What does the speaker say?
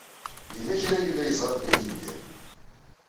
Yella kra ay yella yeẓra Dda Yidir.